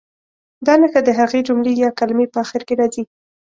دا نښه د هغې جملې یا کلمې په اخر کې راځي.